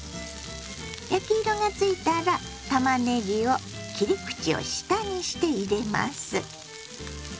焼き色がついたらたまねぎを切り口を下にして入れます。